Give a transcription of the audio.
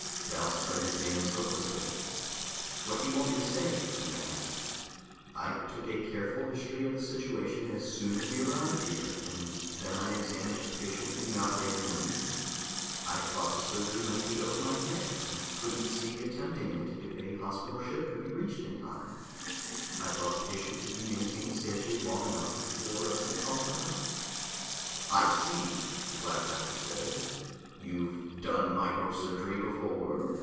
Dal spread his hands hopelessly. "What do you want me to say?" he asked. "I took a careful history of the situation as soon as we arrived here, and then I examined the patient in the operating room. I thought the surgery might be over my head, and couldn't see attempting it if a hospital ship could be reached in time. I thought the patient could be maintained safely long enough for us to call for help." "I see," the Black Doctor said. "You've done micro surgery before?"